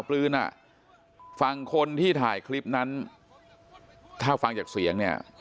ปืนอ่ะฝั่งคนที่ถ่ายคลิปนั้นถ้าฟังจากเสียงเนี่ย